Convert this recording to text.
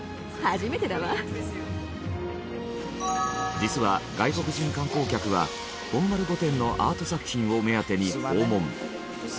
実は外国人観光客は本丸御殿のアート作品を目当てに訪問。